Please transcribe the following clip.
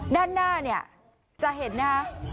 ด้านหน้าจะเห็นนะ